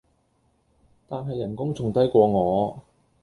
但係人工仲低過我